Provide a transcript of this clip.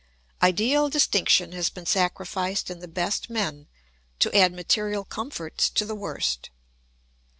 Ideal distinction has been sacrificed in the best men, to add material comforts to the worst.